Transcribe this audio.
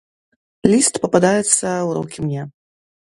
Ліст пападаецца ў рукі мне.